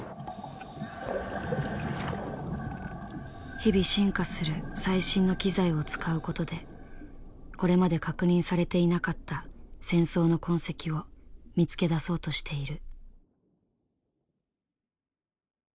日々進化する最新の機材を使うことでこれまで確認されていなかった戦争の痕跡を見つけ出そうとしている。